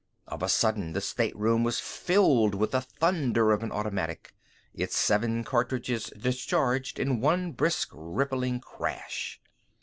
Of a sudden the stateroom was filled with the thunder of an automatic, its seven cartridges discharged in one brisk, rippling crash.